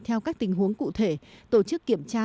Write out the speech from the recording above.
theo các tình huống cụ thể tổ chức kiểm tra